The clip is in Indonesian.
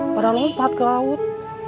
para lompat ke laut